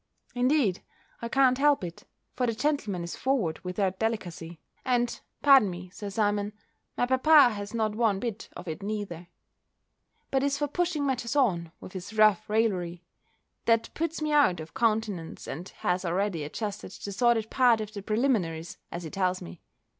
Indeed, I can't help it: for the gentleman is forward without delicacy; and (pardon me, Sir Simon) my papa has not one bit of it neither; but is for pushing matters on, with his rough raillery, that puts me out of countenance, and has already adjusted the sordid part of the preliminaries, as he tells me.